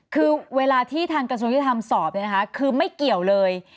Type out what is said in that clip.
คือเวลาที่ทางกระทรวจที่ทำสอบคือไม่เกี่ยวเลย